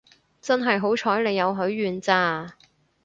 真係好彩你有許願咋